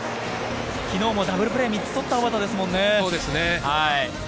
昨日もダブルプレーを３つをとった小幡ですもんね。